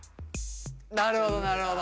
なるほどなるほど。